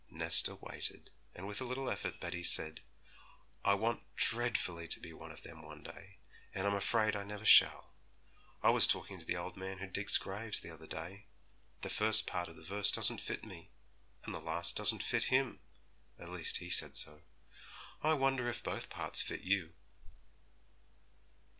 Nesta waited, and with a little effort Betty said, 'I want dreadfully to be one of them one day, and I'm afraid I never shall. I was talking to the old man who digs graves, the other day; the first part of the verse doesn't fit me, and the last doesn't fit him at least he said so. I wonder if both parts fit you.'